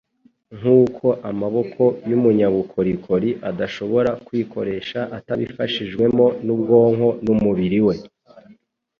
Nk'uko amaboko y'umunyabukorikori adashobora kwikoresha atabifashijwemo n'ubwonko n'umubiri we